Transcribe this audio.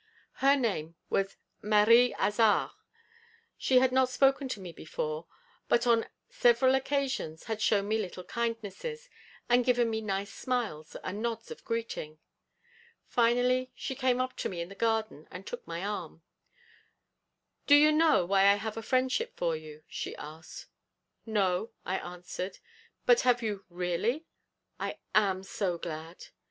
Her name was Marie Hazard. She had not spoken to me before, but on several occasions had shown me little kindnesses, and given me nice smiles and nods of greeting. Finally she came up to me in the garden and took my arm: 'Do you know why I have a friendship for you?' she asked. 'No,' I answered. 'But have you really? I am so glad.'